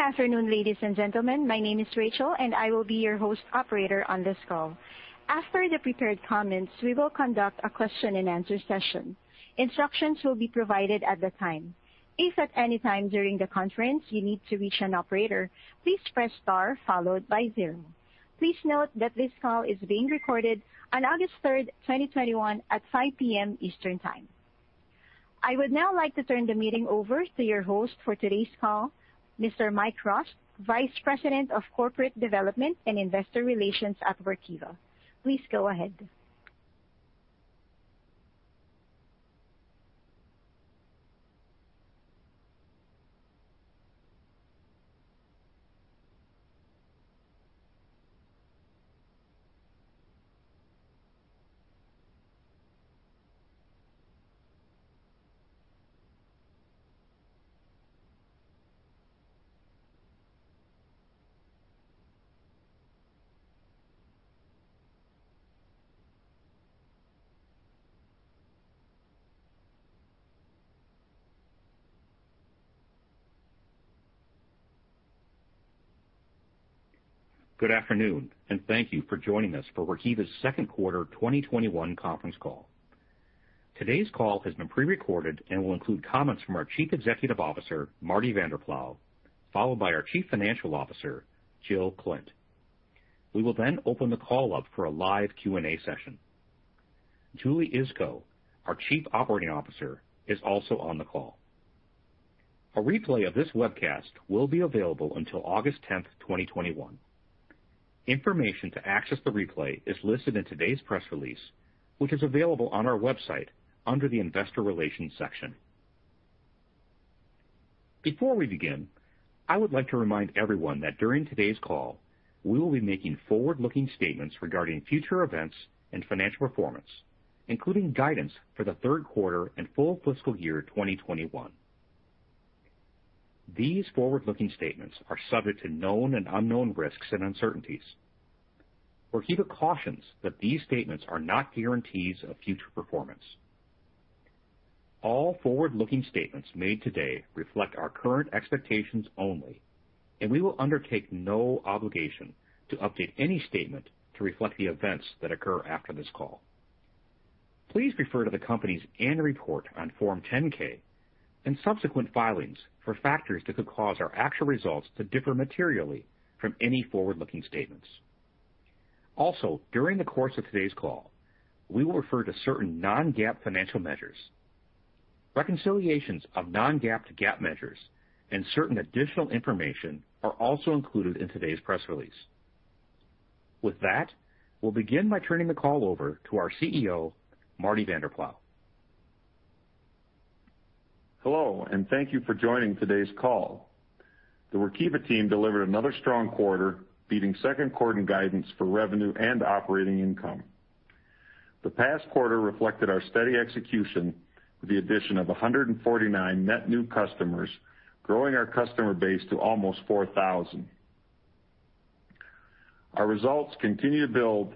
Good afternoon, ladies and gentlemen. My name is Rachel, and I will be your host Operator on this call. After the prepared comments, we will conduct a question-and-answer session. Instructions will be provided at the time. Please note that this call is being recorded on August 3rd, 2021, at 5:00 P.M. Eastern Time. I would now like to turn the meeting over to your host for today's call, Mr. Mike Rost, Vice President of Corporate Development and Investor Relations at Workiva. Please go ahead. Good afternoon, thank you for joining us for Workiva's Second Quarter 2021 Conference Call. Today's call has been pre-recorded and will include comments from our Chief Executive Officer, Marty Vanderploeg, followed by our Chief Financial Officer, Jill Klindt. We will then open the call up for a live Q&A session. Julie Iskow, our Chief Operating Officer, is also on the call. A replay of this webcast will be available until August 10th, 2021. Information to access the replay is listed in today's press release, which is available on our website under the investor relations section. Before we begin, I would like to remind everyone that during today's call, we will be making forward-looking statements regarding future events and financial performance, including guidance for the third quarter and full fiscal year 2021. These forward-looking statements are subject to known and unknown risks and uncertainties. Workiva cautions that these statements are not guarantees of future performance. All forward-looking statements made today reflect our current expectations only, and we will undertake no obligation to update any statement to reflect the events that occur after this call. Please refer to the company's annual report on Form 10-K and subsequent filings for factors that could cause our actual results to differ materially from any forward-looking statements. Also, during the course of today's call, we will refer to certain non-GAAP financial measures. Reconciliations of non-GAAP to GAAP measures and certain additional information are also included in today's press release. With that, we'll begin by turning the call over to our Chief Executive Officer, Marty Vanderploeg. Hello, and thank you for joining today's call. The Workiva team delivered another strong quarter, beating second quarter guidance for revenue and operating income. The past quarter reflected our steady execution with the addition of 149 net new customers, growing our customer base to almost 4,000. Our results continue to build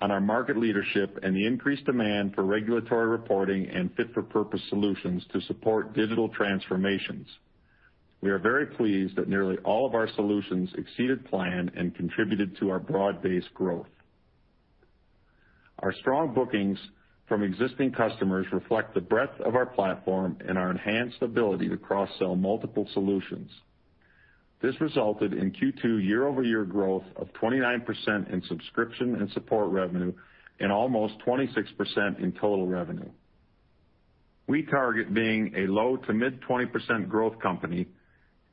on our market leadership and the increased demand for regulatory reporting and fit-for-purpose solutions to support digital transformations. We are very pleased that nearly all of our solutions exceeded plan and contributed to our broad-based growth. Our strong bookings from existing customers reflect the breadth of our platform and our enhanced ability to cross-sell multiple solutions. This resulted in Q2 year-over-year growth of 29% in subscription and support revenue, and almost 26% in total revenue. We target being a low to mid 20% growth company,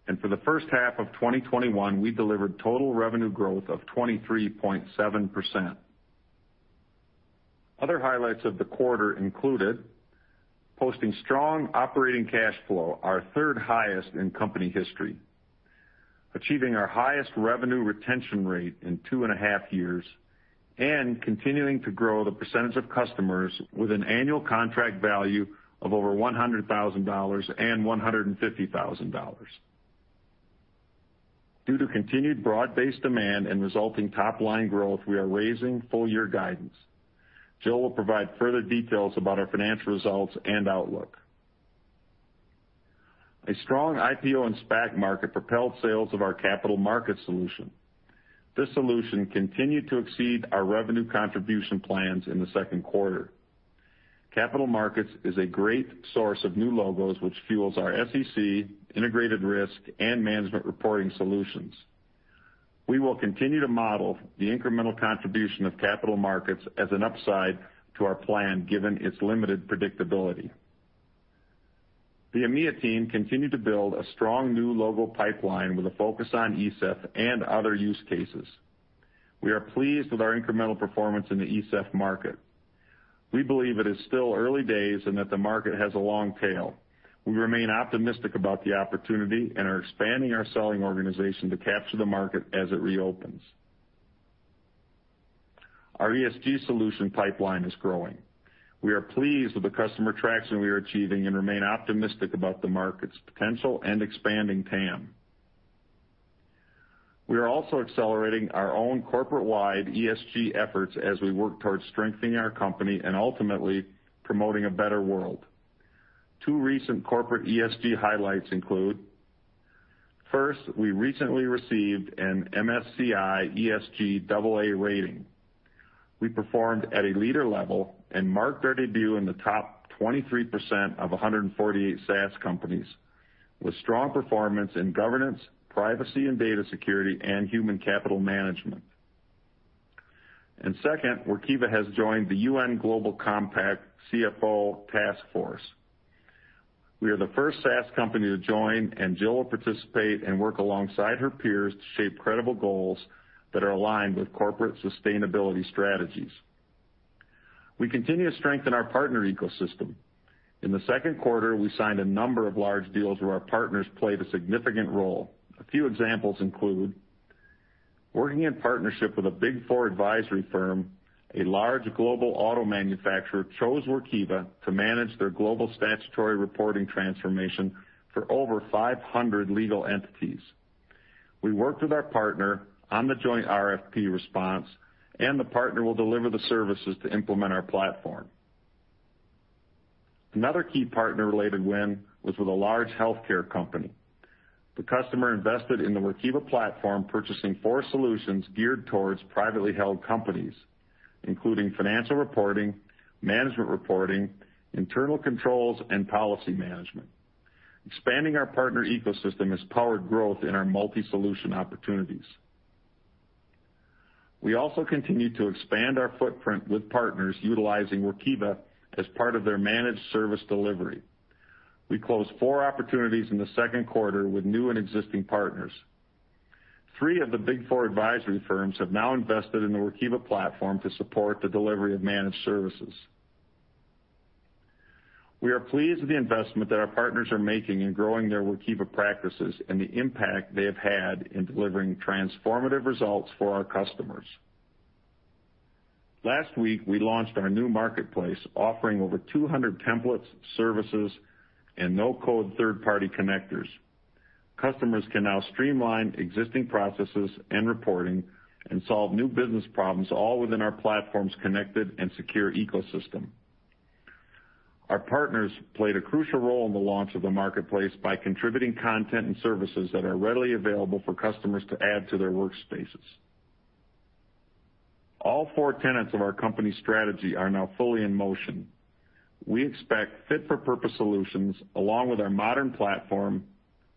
and for the first half of 2021, we delivered total revenue growth of 23.7%. Other highlights of the quarter included posting strong operating cash flow, our third highest in company history, achieving our highest revenue retention rate in two and a half years, and continuing to grow the percentage of customers with an annual contract value of over $100,000 and $150,000. Due to continued broad-based demand and resulting top-line growth, we are raising full-year guidance. Jill will provide further details about our financial results and outlook. A strong IPO and SPAC market propelled sales of our capital markets solution. This solution continued to exceed our revenue contribution plans in the second quarter. capital markets is a great source of new logos which fuels our SEC, Integrated Risk, and management reporting solutions. We will continue to model the incremental contribution of capital markets as an upside to our plan given its limited predictability. The EMEIA team continued to build a strong new logo pipeline with a focus on ESEF and other use cases. We are pleased with our incremental performance in the ESEF market. We believe it is still early days and that the market has a long tail. We remain optimistic about the opportunity and are expanding our selling organization to capture the market as it reopens. Our ESG solution pipeline is growing. We are pleased with the customer traction we are achieving and remain optimistic about the market's potential and expanding TAM. We are also accelerating our own corporate-wide ESG efforts as we work towards strengthening our company and ultimately promoting a better world. Two recent corporate ESG highlights include, first, we recently received an MSCI ESG AA rating. We performed at a leader level and marked our debut in the top 23% of 148 SaaS companies, with strong performance in governance, privacy and data security, and human capital management. Second, Workiva has joined the UN Global Compact CFO Taskforce. We are the first SaaS company to join, Jill will participate and work alongside her peers to shape credible goals that are aligned with corporate sustainability strategies. We continue to strengthen our partner ecosystem. In the second quarter, we signed a number of large deals where our partners played a significant role. A few examples include working in partnership with a Big Four advisory firm, a large global auto manufacturer chose Workiva to manage their Global Statutory Reporting transformation for over 500 legal entities. We worked with our partner on the joint RFP response, the partner will deliver the services to implement our platform. Another key partner-related win was with a large healthcare company. The customer invested in the Workiva platform, purchasing four solutions geared towards privately held companies, including financial reporting, management reporting, internal controls, and policy management. Expanding our partner ecosystem has powered growth in our multi-solution opportunities. We also continue to expand our footprint with partners utilizing Workiva as part of their managed service delivery. We closed four opportunities in the second quarter with new and existing partners. Three of the Big Four advisory firms have now invested in the Workiva platform to support the delivery of managed services. We are pleased with the investment that our partners are making in growing their Workiva practices and the impact they have had in delivering transformative results for our customers. Last week, we launched our new marketplace, offering over 200 templates, services, and no-code third-party connectors. Customers can now streamline existing processes and reporting and solve new business problems, all within our platform's connected and secure ecosystem. Our partners played a crucial role in the launch of the marketplace by contributing content and services that are readily available for customers to add to their workspaces. All four tenets of our company strategy are now fully in motion. We expect fit-for-purpose solutions along with our modern platform,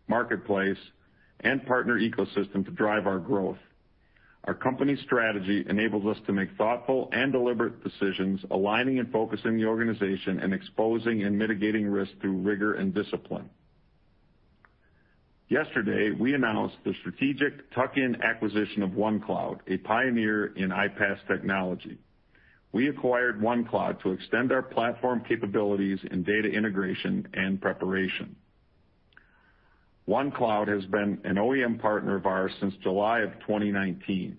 marketplace, and partner ecosystem to drive our growth. Our company strategy enables us to make thoughtful and deliberate decisions, aligning and focusing the organization and exposing and mitigating risk through rigor and discipline. Yesterday, we announced the strategic tuck-in acquisition of OneCloud, a pioneer in iPaaS technology. We acquired OneCloud to extend our platform capabilities in data integration and preparation. OneCloud has been an OEM partner of ours since July of 2019.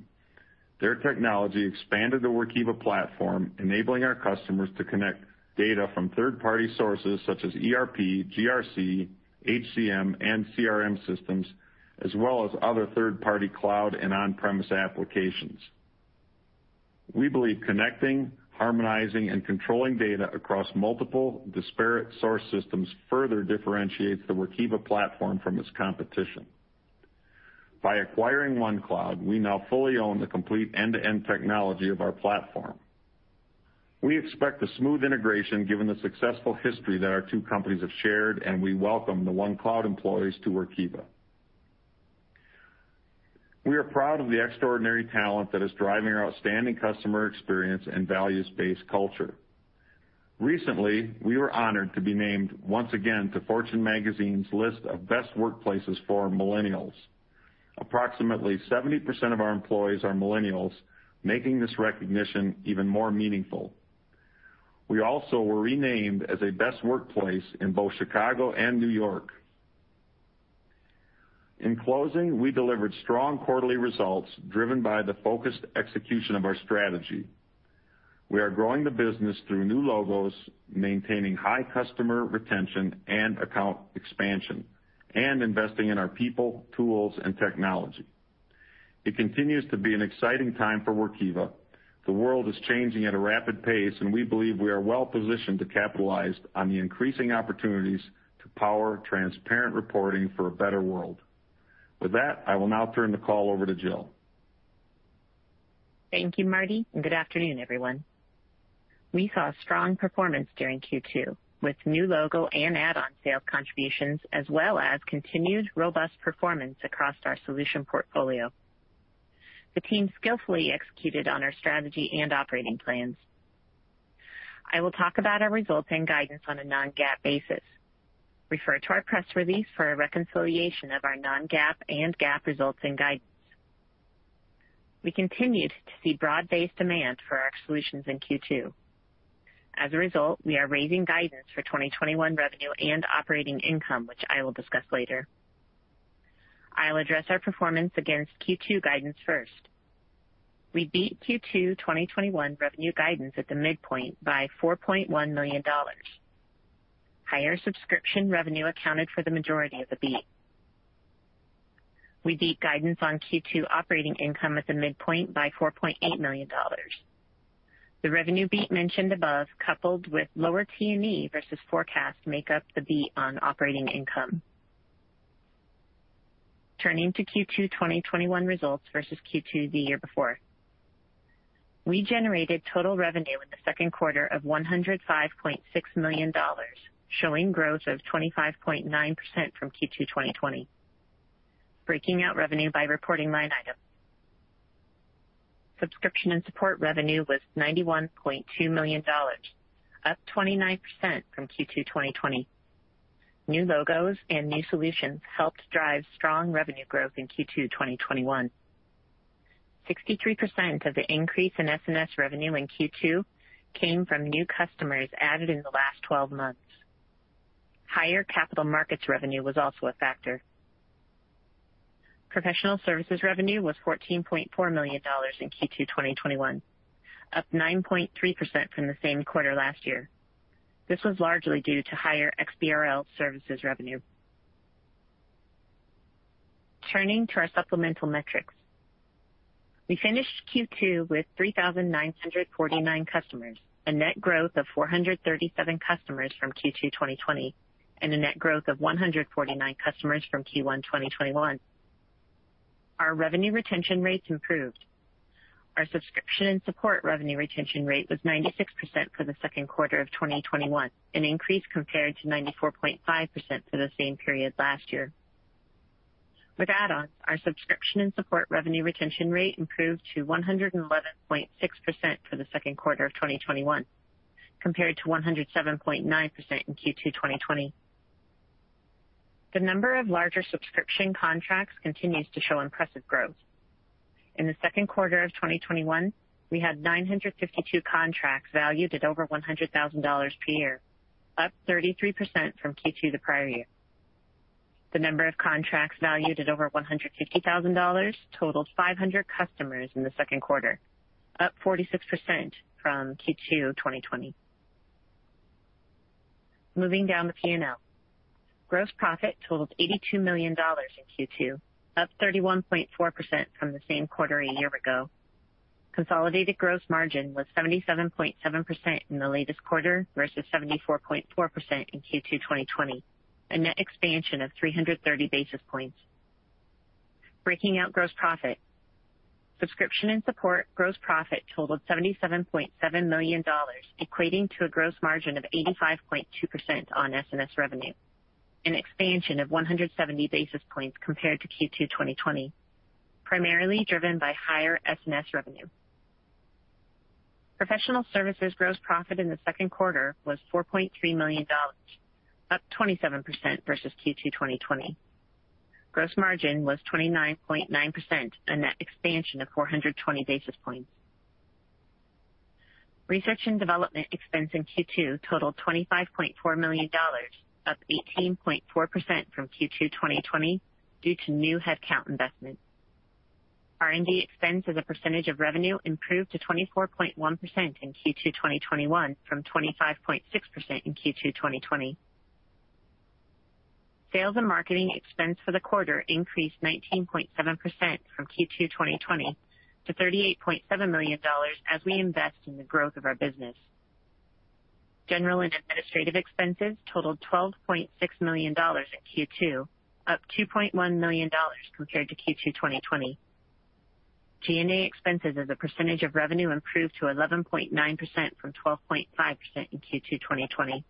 Their technology expanded the Workiva platform, enabling our customers to connect data from third-party sources such as ERP, GRC, HCM, and CRM systems, as well as other third-party cloud and on-premise applications. We believe connecting, harmonizing, and controlling data across multiple disparate source systems further differentiates the Workiva platform from its competition. By acquiring OneCloud, we now fully own the complete end-to-end technology of our platform. We expect a smooth integration given the successful history that our two companies have shared, and we welcome the OneCloud employees to Workiva. We are proud of the extraordinary talent that is driving our outstanding customer experience and values-based culture. Recently, we were honored to be named once again to Fortune Magazine's list of best workplaces for millennials. Approximately 70% of our employees are millennials, making this recognition even more meaningful. We also were renamed as a best workplace in both Chicago and New York. In closing, we delivered strong quarterly results driven by the focused execution of our strategy. We are growing the business through new logos, maintaining high customer retention and account expansion, and investing in our people, tools, and technology. It continues to be an exciting time for Workiva. The world is changing at a rapid pace, and we believe we are well positioned to capitalize on the increasing opportunities to power transparent reporting for a better world. With that, I will now turn the call over to Jill. Thank you, Marty. Good afternoon, everyone. We saw strong performance during Q2 with new logo and add-on sale contributions, as well as continued robust performance across our solution portfolio. The team skillfully executed on our strategy and operating plans. I will talk about our results and guidance on a non-GAAP basis. Refer to our press release for a reconciliation of our non-GAAP and GAAP results and guidance. We continued to see broad-based demand for our solutions in Q2. As a result, we are raising guidance for 2021 revenue and operating income, which I will discuss later. I'll address our performance against Q2 guidance first. We beat Q2 2021 revenue guidance at the midpoint by $4.1 million. Higher subscription revenue accounted for the majority of the beat. We beat guidance on Q2 operating income at the midpoint by $4.8 million. The revenue beat mentioned above, coupled with lower T&E versus forecast, make up the beat on operating income. Turning to Q2 2021 results versus Q2 the year before. We generated total revenue in the second quarter of $105.6 million, showing growth of 25.9% from Q2 2020. Breaking out revenue by reporting line item. Subscription and support revenue was $91.2 million, up 29% from Q2 2020. New logos and new solutions helped drive strong revenue growth in Q2 2021. 63% of the increase in S&S revenue in Q2 came from new customers added in the last 12 months. Higher capital markets revenue was also a factor. Professional services revenue was $14.4 million in Q2 2021, up 9.3% from the same quarter last year. This was largely due to higher XBRL services revenue. Turning to our supplemental metrics. We finished Q2 with 3,949 customers, a net growth of 437 customers from Q2 2020, and a net growth of 149 customers from Q1 2021. Our revenue retention rates improved. Our subscription and support revenue retention rate was 96% for the second quarter of 2021, an increase compared to 94.5% for the same period last year. With add-ons, our subscription and support revenue retention rate improved to 111.6% for the second quarter of 2021, compared to 107.9% in Q2 2020. The number of larger subscription contracts continues to show impressive growth. In the second quarter of 2021, we had 952 contracts valued at over $100,000 per year, up 33% from Q2 the prior year. The number of contracts valued at over $150,000 totaled 500 customers in the second quarter, up 46% from Q2 2020. Moving down the P&L. Gross profit totaled $82 million in Q2, up 31.4% from the same quarter a year ago. Consolidated gross margin was 77.7% in the latest quarter versus 74.4% in Q2 2020, a net expansion of 330 basis points. Breaking out gross profit. Subscription and support gross profit totaled $77.7 million, equating to a gross margin of 85.2% on S&S revenue, an expansion of 170 basis points compared to Q2 2020, primarily driven by higher S&S revenue. Professional services gross profit in the second quarter was $4.3 million, up 27% versus Q2 2020. Gross margin was 29.9%, a net expansion of 420 basis points. Research and development expense in Q2 totaled $25.4 million, up 18.4% from Q2 2020 due to new headcount investments. R&D expense as a percentage of revenue improved to 24.1% in Q2 2021 from 25.6% in Q2 2020. Sales and marketing expense for the quarter increased 19.7% from Q2 2020 to $38.7 million as we invest in the growth of our business. General and administrative expenses totaled $12.6 million in Q2, up $2.1 million compared to Q2 2020. G&A expenses as a percentage of revenue improved to 11.9% from 12.5% in Q2 2020.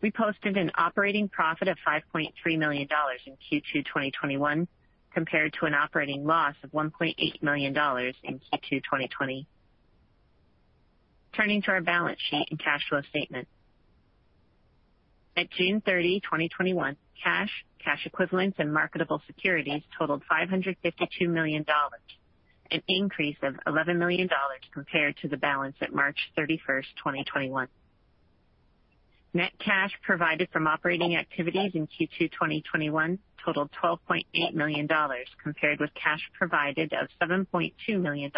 We posted an operating profit of $5.3 million in Q2 2021 compared to an operating loss of $1.8 million in Q2 2020. Turning to our balance sheet and cash flow statement. At June 30, 2021, cash equivalents, and marketable securities totaled $552 million, an increase of $11 million compared to the balance at March 31, 2021. Net cash provided from operating activities in Q2 2021 totaled $12.8 million, compared with cash provided of $7.2 million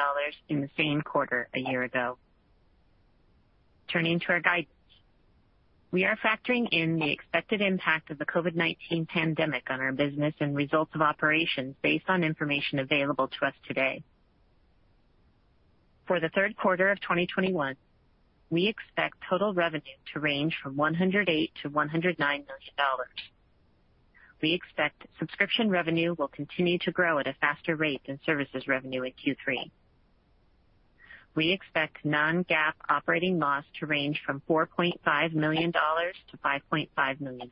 in the same quarter a year ago. Turning to our guidance. We are factoring in the expected impact of the COVID-19 pandemic on our business and results of operations based on information available to us today. For the third quarter of 2021, we expect total revenue to range from $108 million-$109 million. We expect subscription revenue will continue to grow at a faster rate than services revenue in Q3. We expect non-GAAP operating loss to range from $4.5 million-$5.5 million.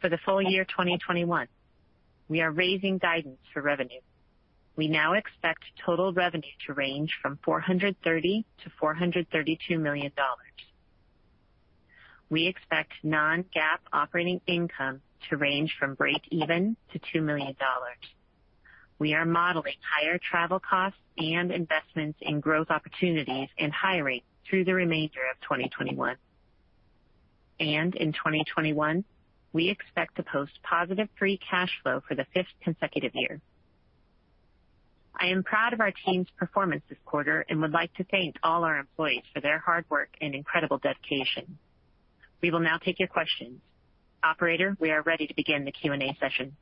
For the full year 2021, we are raising guidance for revenue. We now expect total revenue to range from $430 million-$432 million. We expect non-GAAP operating income to range from breakeven to $2 million. We are modeling higher travel costs and investments in growth opportunities and hiring through the remainder of 2021. In 2021, we expect to post positive free cash flow for the fifth consecutive year. I am proud of our team's performance this quarter and would like to thank all our employees for their hard work and incredible dedication. We will now take your questions. Operator, we are ready to begin the Q&A session.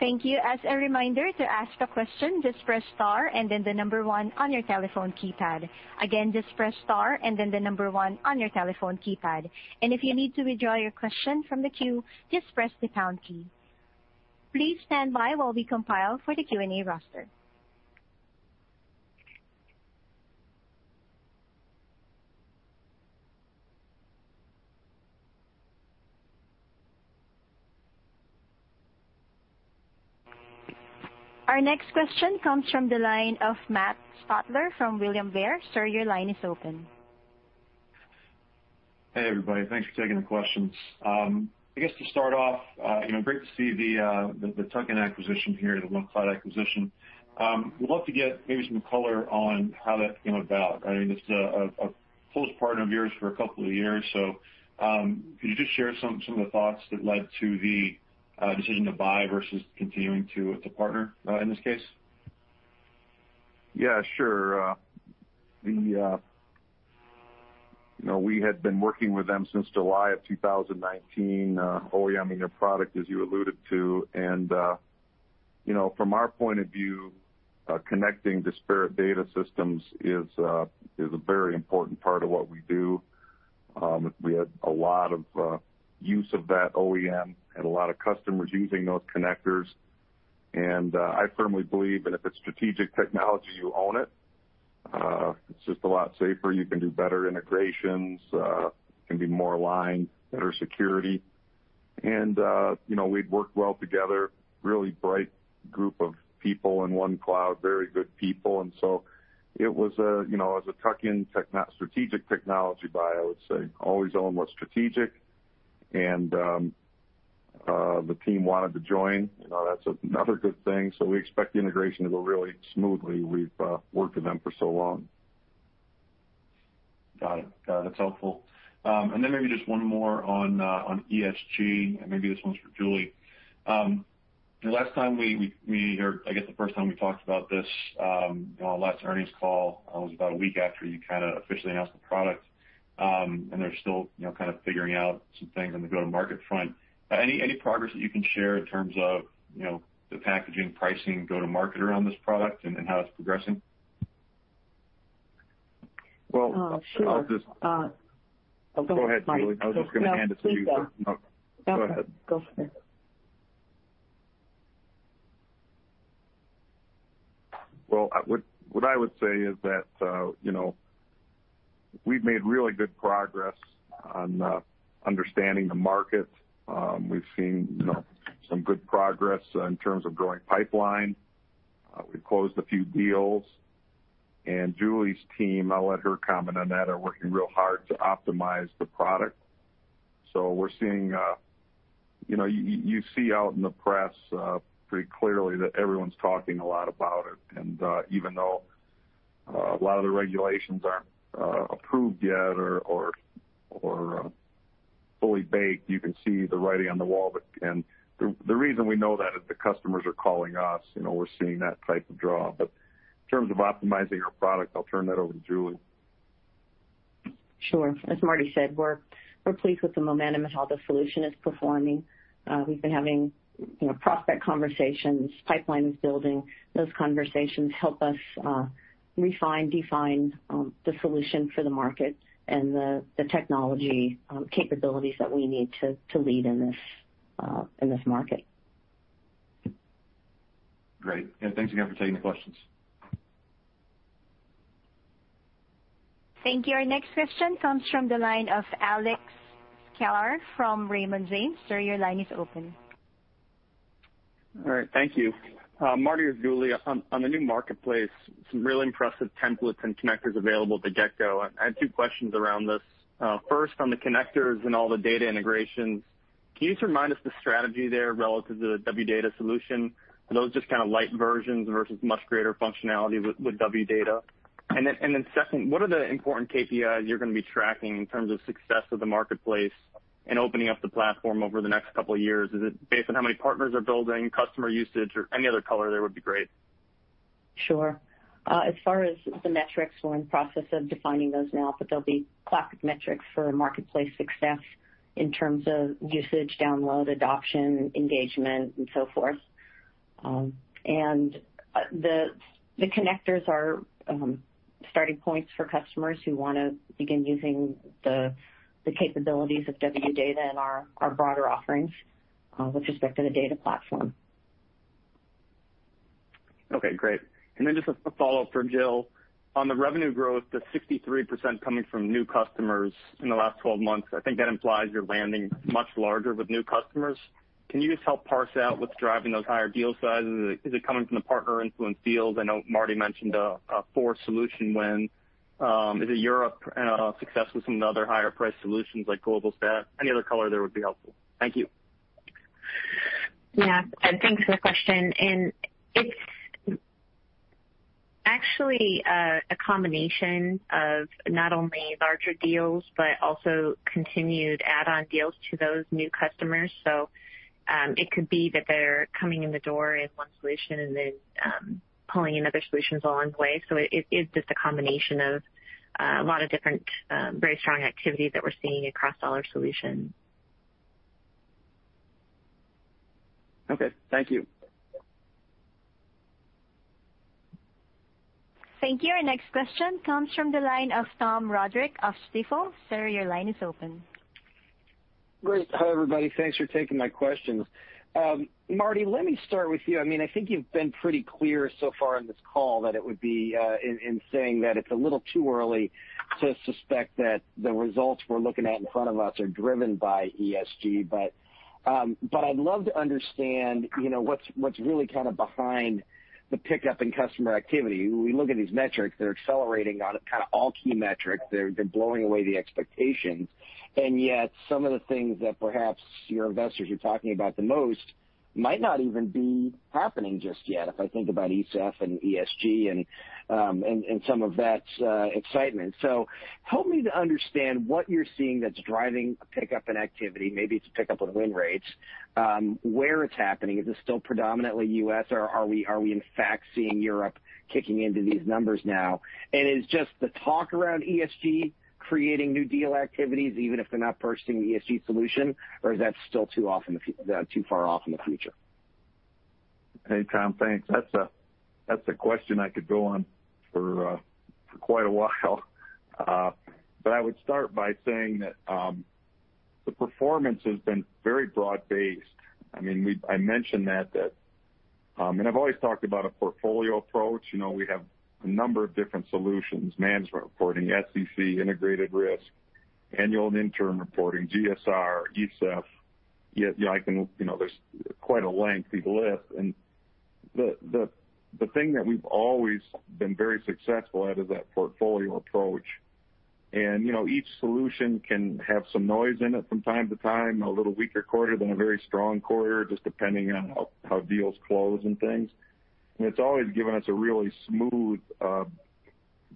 Thank you. Our next question comes from the line of Matt Stotler from William Blair. Sir, your line is open. Hey, everybody. Thanks for taking the questions. I guess to start off, great to see the tuck-in acquisition here, the OneCloud acquisition. Would love to get maybe some color on how that came about. I mean, this is a close partner of yours for a couple of years, so can you just share some of the thoughts that led to the decision to buy versus continuing to partner in this case? Yeah, sure. We had been working with them since July of 2019, OEM-ing their product, as you alluded to. From our point of view, connecting disparate data systems is a very important part of what we do. We had a lot of use of that OEM, had a lot of customers using those connectors, and I firmly believe that if it's strategic technology, you own it. It's just a lot safer. You can do better integrations, can be more aligned, better security. We'd worked well together, really bright group of people in OneCloud, very good people. It was a tuck-in strategic technology buy, I would say. Always own what's strategic, and the team wanted to join. That's another good thing. We expect the integration to go really smoothly. We've worked with them for so long. Got it. That's helpful. Then maybe just one more on ESG, and maybe this one's for Julie. The first time we talked about this, on our last earnings call, was about a week after you officially announced the product. They're still kind of figuring out some things on the go-to-market front. Any progress that you can share in terms of the packaging, pricing, go-to-market around this product and how it's progressing? Well. Sure. Go ahead, Marty Go ahead, Julie. I was just going to hand it to you. No, please. Go. Go ahead. Go for it. Well, what I would say is that we've made really good progress on understanding the market. We've seen some good progress in terms of growing pipeline. We've closed a few deals. Julie's team, I'll let her comment on that, are working real hard to optimize the product. You see out in the press pretty clearly that everyone's talking a lot about it. Even though a lot of the regulations aren't approved yet or fully baked, you can see the writing on the wall. The reason we know that is the customers are calling us. We're seeing that type of draw. In terms of optimizing our product, I'll turn that over to Julie. Sure. As Marty said, we're pleased with the momentum and how the solution is performing. We've been having prospect conversations. Pipeline is building. Those conversations help us refine, define the solution for the market and the technology capabilities that we need to lead in this market. Great. Yeah, thanks again for taking the questions. Thank you. Our next question comes from the line of Alex Sklar from Raymond James. Sir, your line is open. All right. Thank you. Marty or Julie, on the new marketplace, some real impressive templates and connectors available to get-go. I had two questions around this. First, on the connectors and all the data integrations, can you just remind us the strategy there relative to the Wdata solution? Are those just kind of light versions versus much greater functionality with Wdata? Second, what are the important KPIs you're going to be tracking in terms of success of the marketplace and opening up the platform over the next two years? Is it based on how many partners are building, customer usage, or any other color there would be great. Sure. As far as the metrics, we're in the process of defining those now, but they'll be classic metrics for marketplace success in terms of usage, download, adoption, engagement, and so forth. The connectors are starting points for customers who want to begin using the capabilities of Wdata and our broader offerings with respect to the data platform. Okay, great. Just a follow-up for Jill. On the revenue growth, the 63% coming from new customers in the last 12 months, I think that implies you're landing much larger with new customers. Can you just help parse out what's driving those higher deal sizes? Is it coming from the partner-influenced deals? I know Marty mentioned a four-solution win. Is it Europe success with some of the other higher-priced solutions like Global Stat? Any other color there would be helpful. Thank you. Yeah. Thanks for the question. It's actually a combination of not only larger deals, but also continued add-on deals to those new customers. It could be that they're coming in the door in one solution and then pulling in other solutions along the way. It is just a combination of a lot of different very strong activity that we're seeing across all our solutions. Okay. Thank you. Thank you. Our next question comes from the line of Tom Roderick of Stifel. Sir, your line is open. Great. Hi, everybody. Thanks for taking my questions. Marty, let me start with you. I think you've been pretty clear so far in this call in saying that it's a little too early to suspect that the results we're looking at in front of us are driven by ESG. I'd love to understand what's really kind of behind the pickup in customer activity. When we look at these metrics, they're accelerating on kind of all key metrics. They're blowing away the expectations, and yet some of the things that perhaps your investors are talking about the most might not even be happening just yet, if I think about ESEF and ESG and some of that excitement. Help me to understand what you're seeing that's driving a pickup in activity. Maybe it's a pickup of win rates. Where it's happening? Is this still predominantly U.S., or are we in fact seeing Europe kicking into these numbers now? Is just the talk around ESG creating new deal activities, even if they're not purchasing the ESG solution, or is that still too far off in the future? Hey, Tom. Thanks. That's a question I could go on for quite a while. I would start by saying that the performance has been very broad-based. I mentioned that, and I've always talked about a portfolio approach. We have a number of different solutions, management reporting, SEC, Integrated Risk, annual and interim reporting, GSR, ESEF. There's quite a lengthy list, and the thing that we've always been very successful at is that portfolio approach. Each solution can have some noise in it from time to time, a little weaker quarter, then a very strong quarter, just depending on how deals close and things. It's always given us a really smooth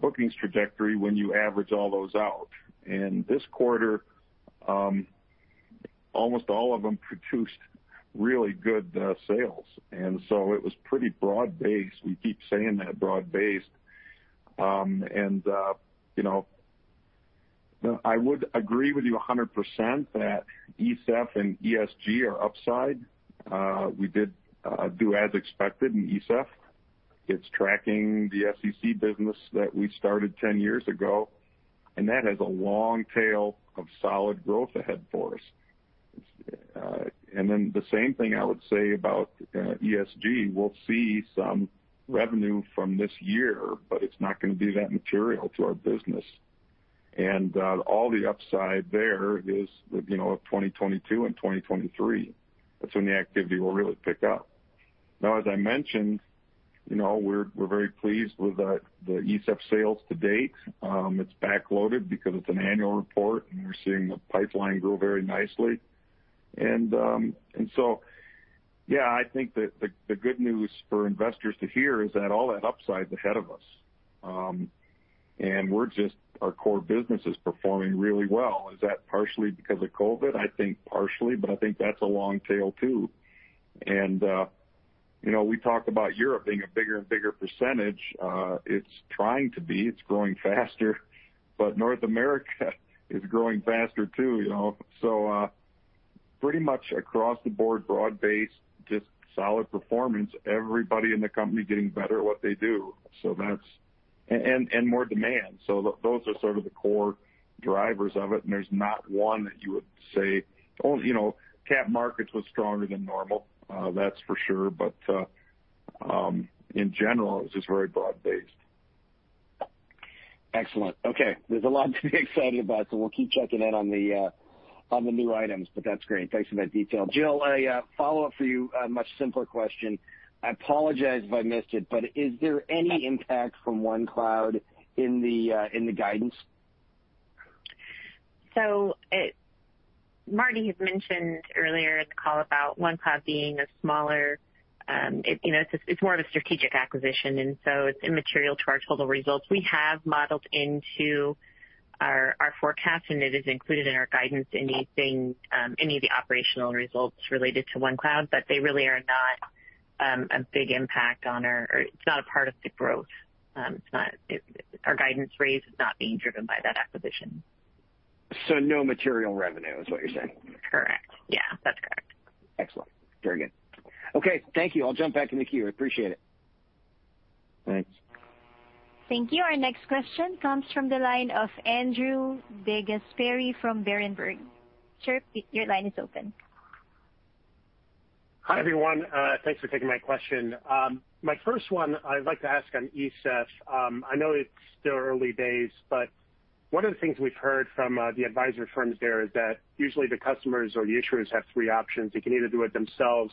bookings trajectory when you average all those out. This quarter, almost all of them produced really good sales. So it was pretty broad-based. We keep saying that, broad-based. I would agree with you 100% that ESEF and ESG are upside. We did do as expected in ESEF. It's tracking the SEC business that we started 10 years ago, and that has a long tail of solid growth ahead for us. The same thing I would say about ESG. We'll see some revenue from this year, but it's not going to be that material to our business. All the upside there is of 2022 and 2023. That's when the activity will really pick up. Now, as I mentioned, we're very pleased with the ESEF sales to date. It's back-loaded because it's an annual report, and we're seeing the pipeline grow very nicely. Yeah, I think that the good news for investors to hear is that all that upside is ahead of us. Our core business is performing really well. Is that partially because of COVID? I think partially, I think that's a long tail, too. We talked about Europe being a bigger and bigger percentage. It's trying to be. It's growing faster, North America is growing faster, too. Pretty much across the board, broad-based, just solid performance. Everybody in the company getting better at what they do, and more demand. Those are sort of the core drivers of it, there's not one that you would say. Oh, capital markets was stronger than normal. That's for sure. In general, it was just very broad-based. Excellent. There's a lot to be excited about, so we'll keep checking in on the new items. That's great. Thanks for that detail. Jill, a follow-up for you. A much simpler question. I apologize if I missed it, but is there any impact from OneCloud in the guidance? Marty had mentioned earlier in the call about OneCloud being a smaller It's more of a strategic acquisition, and so it's immaterial to our total results. We have modeled into our forecast, and it is included in our guidance, any of the operational results related to OneCloud, but they really are not a big impact. It's not a part of the growth. Our guidance raise is not being driven by that acquisition. No material revenue is what you're saying? Correct. Yeah. That's correct. Excellent. Very good. Okay. Thank you. I'll jump back in the queue. I appreciate it. Thanks. Thank you. Our next question comes from the line of Andrew DeGasperi from Berenberg. Sir, your line is open. Hi, everyone. Thanks for taking my question. My first one I'd like to ask on ESEF. I know it's still early days, but one of the things we've heard from the advisor firms there is that usually the customers or the issuers have three options. They can either do it themselves,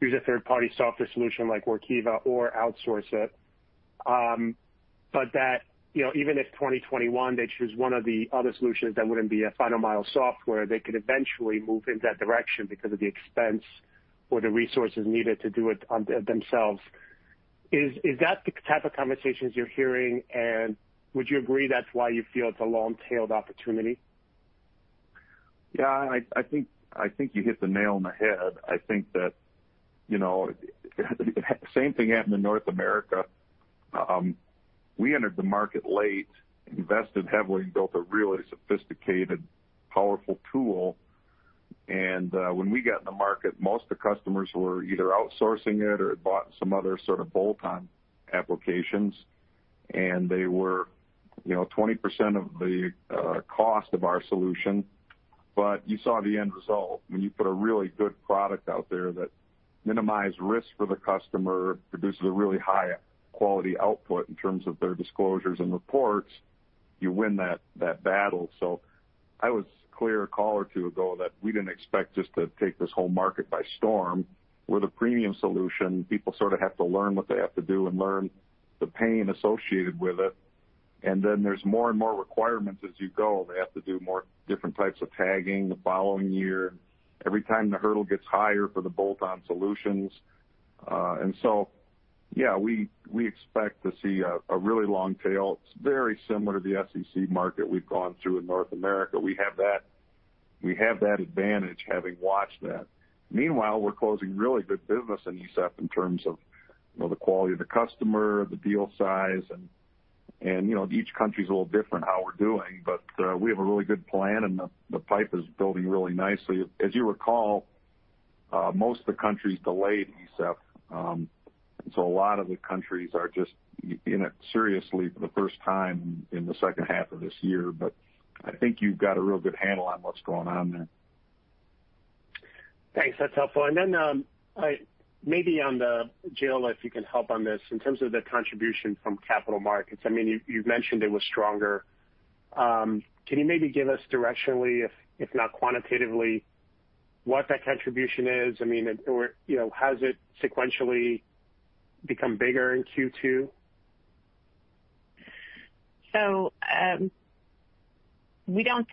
use a third-party software solution like Workiva or outsource it. Even if 2021, they choose one of the other solutions that wouldn't be a final mile software, they could eventually move in that direction because of the expense or the resources needed to do it themselves. Is that the type of conversations you're hearing, and would you agree that's why you feel it's a long-tailed opportunity? I think you hit the nail on the head. I think that the same thing happened in North America. We entered the market late, invested heavily, and built a really sophisticated, powerful tool. When we got in the market, most of the customers were either outsourcing it or had bought some other sort of bolt-on applications, and they were 20% of the cost of our solution. You saw the end result. When you put a really good product out there that minimized risk for the customer, produces a really high-quality output in terms of their disclosures and reports, you win that battle. I was clear a call or two ago that we didn't expect just to take this whole market by storm. We're the premium solution. People sort of have to learn what they have to do and learn the pain associated with it. There's more and more requirements as you go. They have to do more different types of tagging the following year, every time the hurdle gets higher for the bolt-on solutions. Yeah, we expect to see a really long tail. It's very similar to the SEC market we've gone through in North America. We have that advantage having watched that. Meanwhile, we're closing really good business in ESEF in terms of the quality of the customer, the deal size, and each country is a little different how we're doing, but we have a really good plan, and the pipe is building really nicely. As you recall, most of the countries delayed ESEF, so a lot of the countries are just in it seriously for the first time in the second half of this year. I think you've got a real good handle on what's going on there. Thanks. That's helpful. Maybe, Jill, if you can help on this. In terms of the contribution from capital markets, you've mentioned it was stronger. Can you maybe give us directionally, if not quantitatively, what that contribution is? Has it sequentially become bigger in Q2? We don't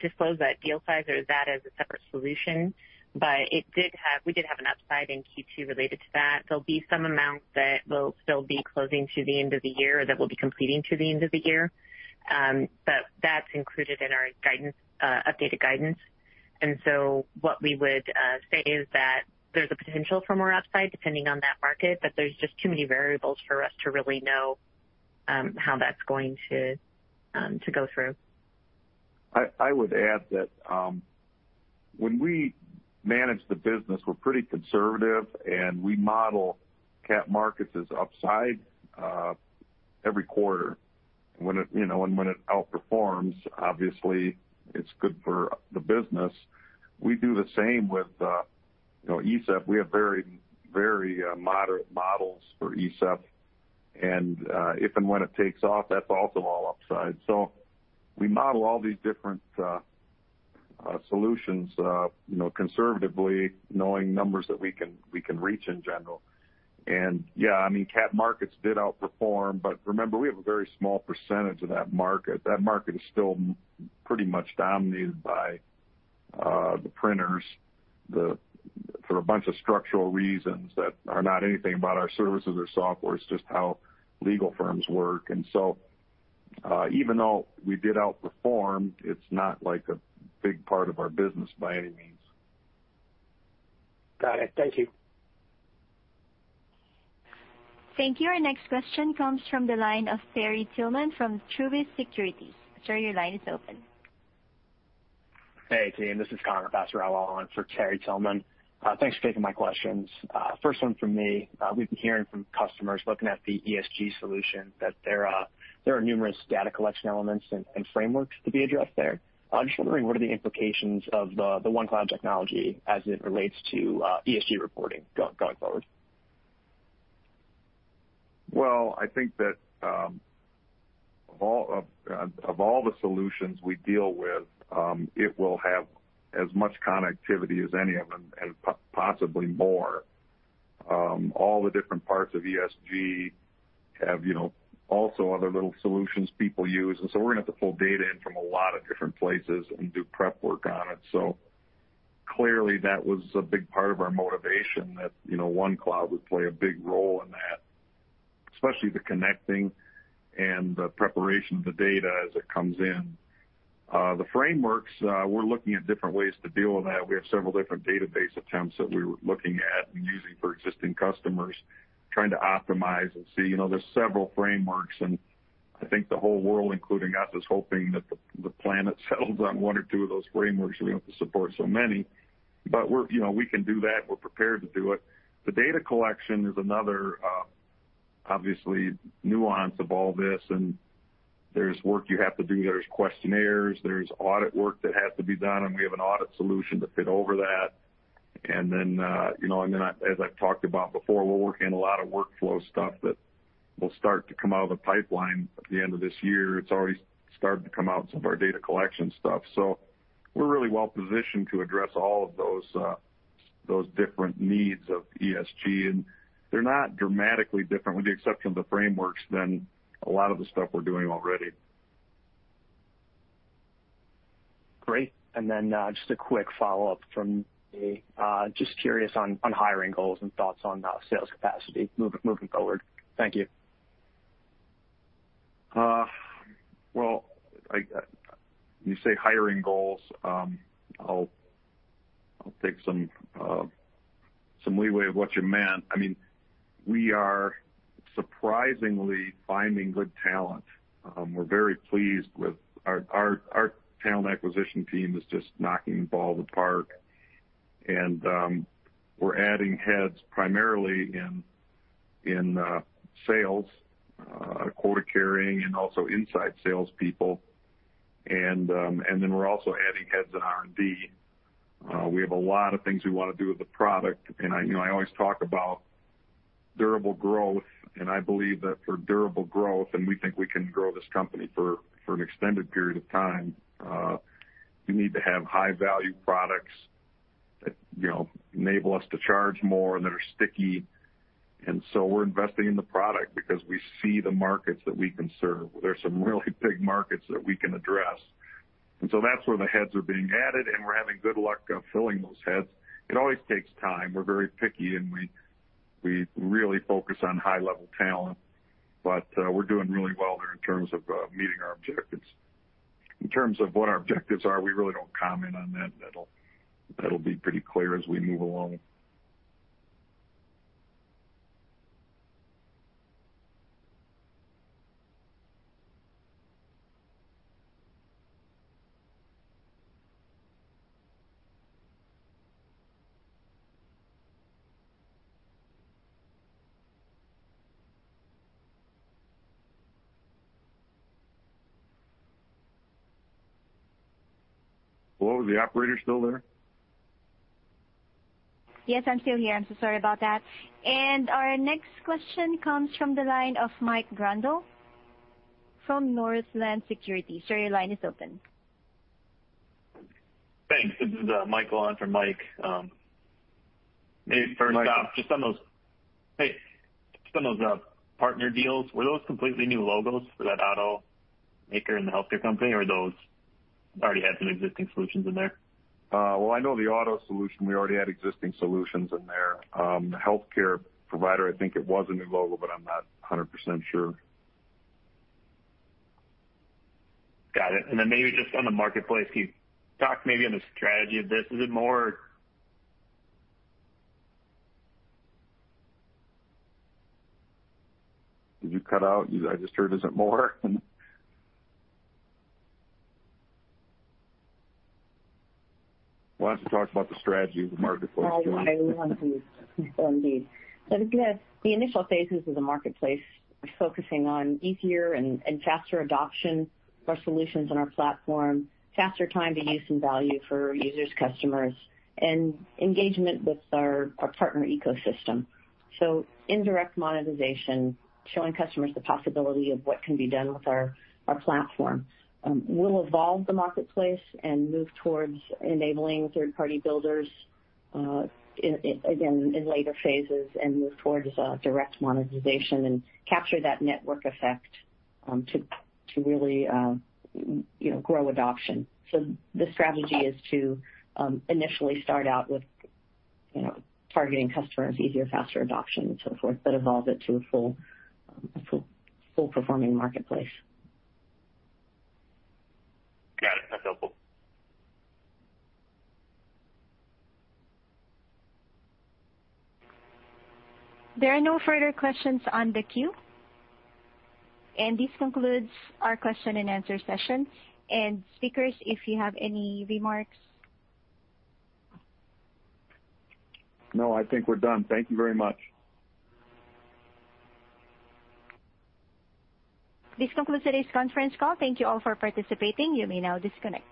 disclose that deal size or that as a separate solution, but we did have an upside in Q2 related to that. There'll be some amount that will still be closing to the end of the year or that will be completing to the end of the year. That's included in our updated guidance. What we would say is that there's a potential for more upside depending on that market, but there's just too many variables for us to really know how that's going to go through. I would add that when we manage the business, we're pretty conservative, we model capital markets as upside every quarter. When it outperforms, obviously, it's good for the business. We do the same with ESEF. We have very moderate models for ESEF. If and when it takes off, that's also all upside. We model all these different solutions conservatively knowing numbers that we can reach in general. Yeah, capital markets did outperform, but remember, we have a very small percentage of that market. That market is still pretty much dominated by the printers for a bunch of structural reasons that are not anything about our services or software. It's just how legal firms work. Even though we did outperform, it's not like a big part of our business by any means. Got it. Thank you. Thank you. Our next question comes from the line of Terry Tillman from Truist Securities. Sir, your line is open. Hey, team, this is Connor Passarella on for Terry Tillman. Thanks for taking my questions. First one from me. We've been hearing from customers looking at the ESG solution that there are numerous data collection elements and frameworks to be addressed there. I'm just wondering, what are the implications of the OneCloud technology as it relates to ESG reporting going forward? Well, I think that of all the solutions we deal with, it will have as much connectivity as any of them and possibly more. All the different parts of ESG have also other little solutions people use. We're going to have to pull data in from a lot of different places and do prep work on it. Clearly, that was a big part of our motivation that OneCloud would play a big role in that, especially the connecting and the preparation of the data as it comes in. The frameworks, we're looking at different ways to deal with that. We have several different database attempts that we were looking at and using for existing customers, trying to optimize and see. There's several frameworks, and I think the whole world, including us, is hoping that the planet settles on one or two of those frameworks so we don't have to support so many. We can do that. We're prepared to do it. The data collection is another, obviously, nuance of all this, and there's work you have to do. There's questionnaires. There's audit work that has to be done, and we have an audit solution to fit over that. Then as I've talked about before, we're working a lot of workflow stuff that will start to come out of the pipeline at the end of this year. It's already started to come out, some of our data collection stuff. We're really well-positioned to address all of those different needs of ESG. They're not dramatically different, with the exception of the frameworks, than a lot of the stuff we're doing already. Great. Just a quick follow-up from me. Just curious on hiring goals and thoughts on sales capacity moving forward. Thank you. Well, you say hiring goals. I'll take some leeway of what you meant. We are surprisingly finding good talent. We're very pleased with Our talent acquisition team is just knocking the ballpark. We're adding heads primarily in sales, quota-carrying, and also inside salespeople. We're also adding heads in R&D. We have a lot of things we want to do with the product. I always talk about durable growth, and I believe that for durable growth, and we think we can grow this company for an extended period of time, we need to have high-value products that enable us to charge more and that are sticky. We're investing in the product because we see the markets that we can serve. There's some really big markets that we can address. That's where the heads are being added, and we're having good luck filling those heads. It always takes time. We're very picky, and we really focus on high-level talent. We're doing really well there in terms of meeting our objectives. In terms of what our objectives are, we really don't comment on that. That'll be pretty clear as we move along. Hello, is the Operator still there? Yes, I'm still here. I'm so sorry about that. Our next question comes from the line of Mike Grondahl from Northland Securities. Sir, your line is open. Thanks. This is Mike, going for Mike. Hey, Mike. First off, just on those partner deals, were those completely new logos for that auto maker and the healthcare company or those already had some existing solutions in there? Well, I know the auto solution, we already had existing solutions in there. The healthcare provider, I think it was a new logo, but I'm not 100% sure. Got it. Maybe just on the marketplace, can you talk maybe on the strategy of this? Did you cut out? I just heard, "Is it more?" We'll have to talk about the strategy of the marketplace, Julie. Okay. We want to. Indeed. The initial phases of the marketplace are focusing on easier and faster adoption of our solutions and our platform, faster time to use and value for users, customers, and engagement with our partner ecosystem. Indirect monetization, showing customers the possibility of what can be done with our platform. We'll evolve the marketplace and move towards enabling third-party builders, again, in later phases and move towards direct monetization and capture that network effect to really grow adoption. The strategy is to initially start out with targeting customers, easier, faster adoption and so forth, but evolve it to a full-performing marketplace. Got it. That's helpful There are no further questions on the queue. This concludes our question and answer session. Speakers, if you have any remarks? No, I think we're done. Thank you very much. This concludes today's conference call. Thank you all for participating. You may now disconnect.